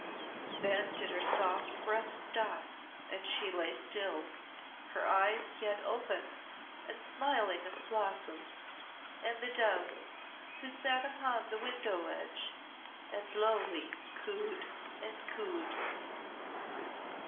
Then did her soft breath stop, and she lay still, her eyes yet open and smiling at the blossoms, and the doves who sate upon the window ledge and lowly cooed and cooed.